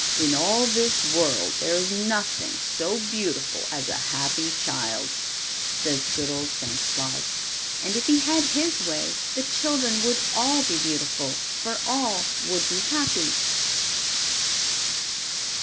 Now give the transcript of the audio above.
"In all this world there is nothing so beautiful as a happy child," says good old Santa Claus; and if he had his way the children would all be beautiful, for all would be happy.